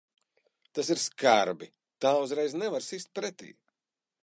Tas ir skarbi. Tā uzreiz nevar sist pretī.